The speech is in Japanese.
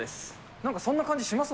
なんかそんな感じします